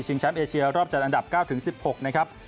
แชมป์เอเชียรอบจัดอันดับ๙๑๖นะครับ